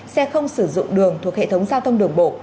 xe không sử dụng đường thuộc hệ thống giao thông đường bộ